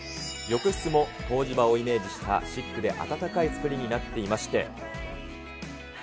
浴室も湯治場をイメージしたシックで温かい造りになっていまして。